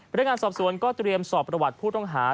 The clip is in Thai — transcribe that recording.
นักงานสอบสวนก็เตรียมสอบประวัติผู้ต้องหา